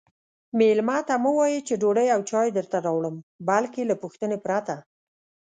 میلمه ته مه وایئ چې ډوډۍ او چای درته راوړم بلکې له پوښتنې پرته